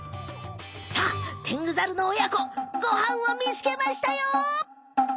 さあテングザルのおやこごはんをみつけましたよ！